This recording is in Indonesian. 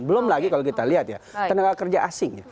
belum lagi kalau kita lihat ya tenaga kerja asing